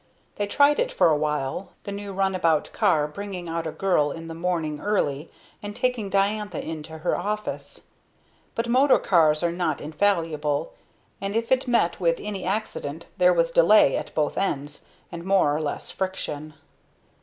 They tried it for a while, the new runabout car bringing out a girl in the morning early, and taking Diantha in to her office. But motor cars are not infallible; and if it met with any accident there was delay at both ends, and more or less friction.